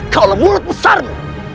kalau mulut besarmu